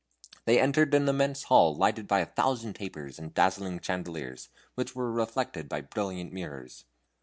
They entered an immense hall lighted by a thousand tapers and dazzling chandeliers, which were reflected by brilliant mirrors.